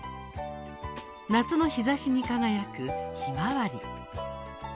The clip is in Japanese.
夏の日ざしに輝く、ひまわり。